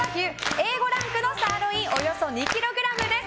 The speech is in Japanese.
Ａ５ランクのサーロインおよそ２ｋｇです。